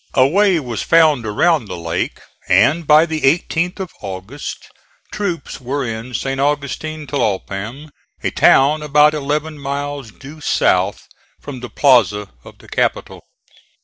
A way was found around the lake, and by the 18th of August troops were in St. Augustin Tlalpam, a town about eleven miles due south from the plaza of the capital.